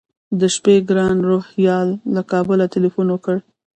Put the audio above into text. د شپې ګران روهیال له کابله تیلفون وکړ.